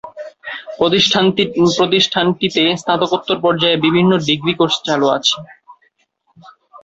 প্রতিষ্ঠানটিতে স্নাতকোত্তর পর্যায়ের বিভিন্ন ডিগ্রি কোর্স চালু আছে।